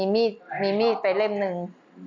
มีมีดไปเล่มหนึ่ง